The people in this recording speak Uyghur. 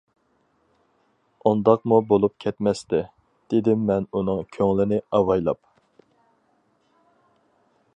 -ئۇنداقمۇ بولۇپ كەتمەستى، -دېدىم مەن ئۇنىڭ كۆڭلىنى ئاۋايلاپ.